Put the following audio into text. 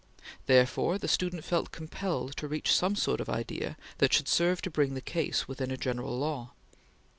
Therefore the student felt compelled to reach some sort of idea that should serve to bring the case within a general law.